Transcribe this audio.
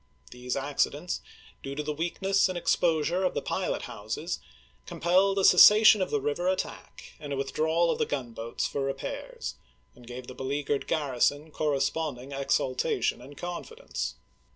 These accidents, due to the weakness and exposure of the pilot houses, compelled a cessation of the river attack and a withdrawal of the gunboats for repairs, and gave the beleaguered garrison corre sponding exultation and confidence.